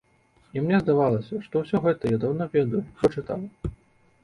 І мне здавалася, што ўсё гэта я даўно ведаю, бо чытаў.